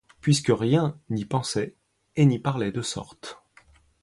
Puisque rien n’y pensait et-n’y parlait de sorte